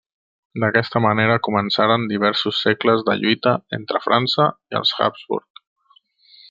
D'aquesta manera començaren diversos segles de lluita entre França i els Habsburg.